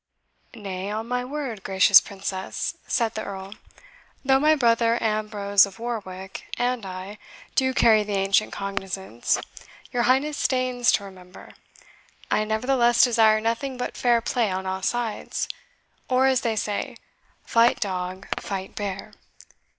"Nay, on my word, gracious Princess," said the Earl, "though my brother Ambrose of Warwick and I do carry the ancient cognizance your Highness deigns to remember, I nevertheless desire nothing but fair play on all sides; or, as they say, 'fight dog, fight bear.'